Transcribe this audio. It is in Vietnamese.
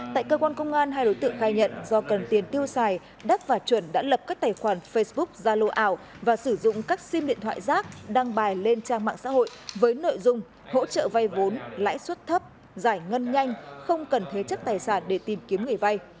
tại cơ quan công an hai đối tượng khai nhận do cần tiền tiêu xài đắc và chuẩn đã lập các tài khoản facebook ra lô ảo và sử dụng các sim điện thoại rác đăng bài lên trang mạng xã hội với nội dung hỗ trợ vay vốn lãi suất thấp giải ngân nhanh không cần thế chất tài sản để tìm kiếm người vay